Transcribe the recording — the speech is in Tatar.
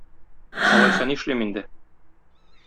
Алайса нишлим инде?